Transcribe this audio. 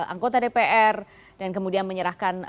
anggota dpr dan kemudian menyerahkan